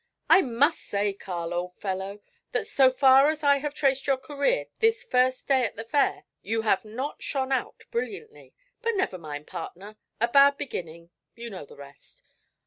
'I must say, Carl, old fellow, that so far as I have traced your career this first day at the Fair, you have not shone out brilliantly. But never mind, partner: "a bad beginning" you know the rest.